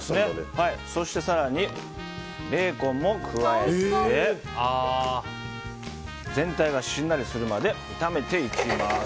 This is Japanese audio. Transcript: そして、更にベーコンも加えて全体がしんなりするまで炒めていきます。